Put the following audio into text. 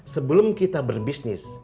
sebelum kita berbisnis